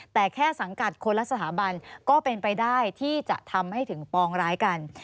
แต่แค่สังกัดคนละสถาบันก็เป็นไปได้ที่จะทำให้ถึงปองร้ายกัน